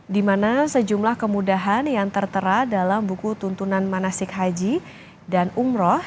di mana sejumlah kemudahan yang tertera dalam buku tuntunan manasik haji dan umroh